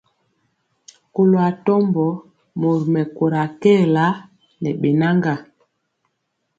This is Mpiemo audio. Kɔlo atɔmbɔ mori mɛkóra kɛɛla ne bɛnaga.